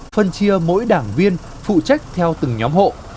phân chia mỗi đảng viên phụ trách theo từng nhóm hộ